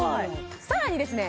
さらにですね